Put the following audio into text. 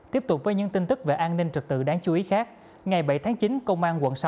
tiếp tục với những tin tức về an ninh trật tự đáng chú ý khác ngày bảy tháng chín công an quận sáu